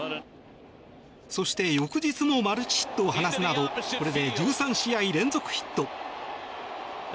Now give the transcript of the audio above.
そして、翌日もマルチヒットを放つなどこれで１３試合連続ヒット。